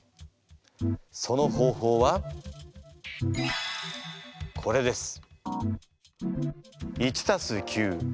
その方法はこれです。